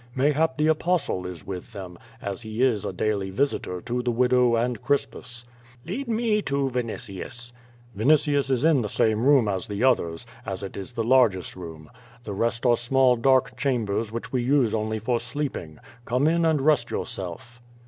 Mayhap the Apostle is with them, as he is a daily visitor to the widow and Crispus." "Lead me to Vinitius." "Vinitius is in the same room as the others, as it is the largest room. The rest are small dark chambers which we use only for sleeping. Come in and rest yourself."